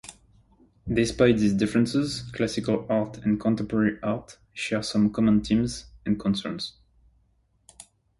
Despite these differences, Classical art and Contemporary art share some common themes and concerns.